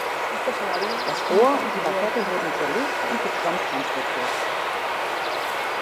Das Rohr und die Lafette wurden zerlegt und getrennt transportiert.